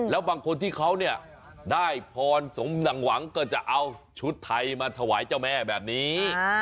แล้วบางคนที่เขาเนี่ยได้พรสมหนังหวังก็จะเอาชุดไทยมาถวายเจ้าแม่แบบนี้